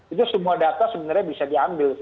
itu semua data sebenarnya bisa diambil